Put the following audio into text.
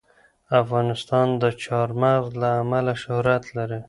افغانستان د چار مغز له امله شهرت لري.